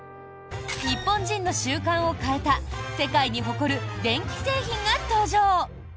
日本人の習慣を変えた世界に誇る電気製品が登場。